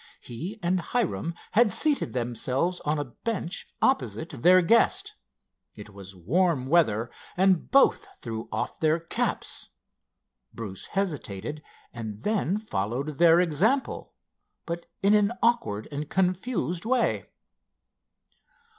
He and Hiram had seated themselves on a bench opposite their guest. It was warm weather and both threw off their caps. Bruce hesitated and then followed their example, but in an awkward and confused way.